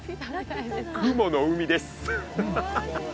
雲の海です